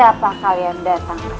iya benar silhewangi sudah tewas